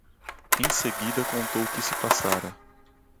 Em seguida contou o que se passara.